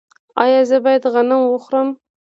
ایا زه باید غنم وخورم؟